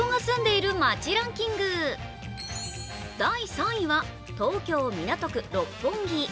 第３位は東京・港区六本木。